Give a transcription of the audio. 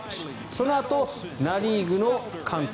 そのあとナ・リーグの監督